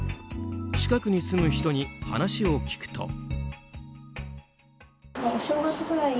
近くに住む人に話を聞くと。